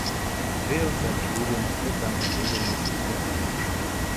Noch während seines Studiums begann er regelmäßig Theater zu spielen.